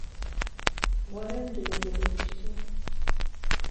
У арэнду яе выпусціў.